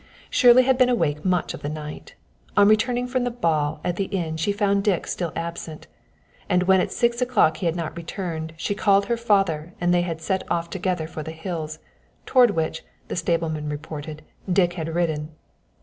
Shirley had been awake much of the night. On returning from the ball at the inn she found Dick still absent, and when at six o'clock he had not returned she called her father and they had set off together for the hills, toward which, the stablemen reported, Dick had ridden.